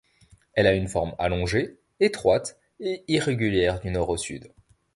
Elle a une forme allongée, étroite et irrégulière du nord au sud.